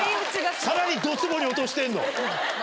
さらにドツボに落としてんの？